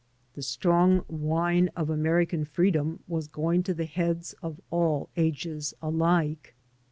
'* The strong wine of American freedom was going to the heads of all ages alike.